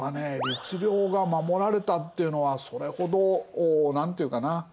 律令が守られたっていうのはそれほど何ていうかな